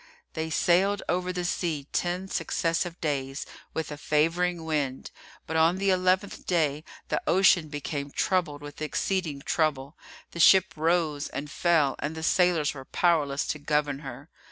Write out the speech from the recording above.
They sailed over the sea ten successive days with a favouring wind; but, on the eleventh day, the ocean became troubled with exceeding trouble, the ship rose and fell and the sailors were powerless to govern her.